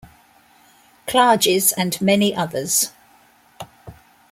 Klages and many others.